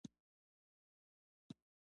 د افغانستان خټکی بازارونو ته صادرېږي.